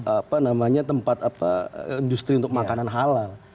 apa namanya industri untuk makanan halal